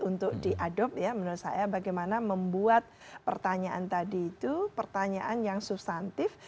untuk diadopsi ya menurut saya bagaimana membuat pertanyaan tadi itu pertanyaan yang substantif